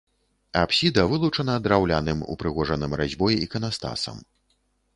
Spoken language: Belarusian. Апсіда вылучана драўляным, упрыгожаным разьбой іканастасам.